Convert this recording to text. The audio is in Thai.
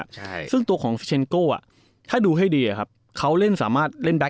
ใช่ซึ่งตัวของเชนโก้อ่ะถ้าดูให้ดีอะครับเขาเล่นสามารถเล่นได้